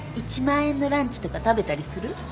１万円のランチとか食べたりする？